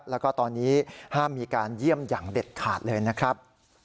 แล้วก็ตอนนี้ห้ามมีการเยี่ยมอย่างเด็ดขาดเลยนะครับ